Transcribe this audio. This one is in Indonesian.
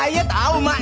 iya tau mak